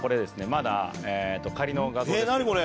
まだ仮の画像ですけど。